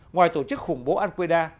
ngoài tổ chức khủng bố an quê đa